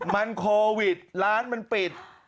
มันโควิดร้านมันปิด